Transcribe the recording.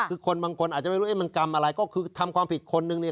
คือคนบางคนอาจจะไม่รู้มันกรรมอะไรก็คือทำความผิดคนนึงเนี่ย